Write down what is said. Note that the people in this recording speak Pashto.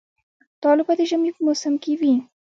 دا لوبه د ژمي په موسم کې وي.